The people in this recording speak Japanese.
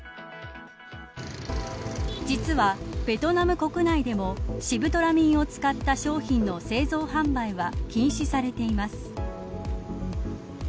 実は、ベトナム国内でもシブトラミンを使った商品の製造販売は禁止されています。